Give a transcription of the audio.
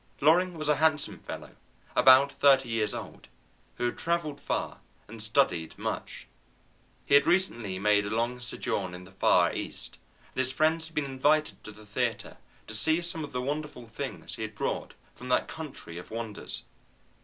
Loring was a handsome fellow about thirty years old, who had travelled far and studied much. He had recently made a long sojourn in the far East, and his friends had been invited to the theatre to see some of the wonderful things he had brought from that country of wonders.